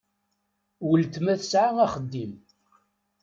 Weltma tesɛa axeddim.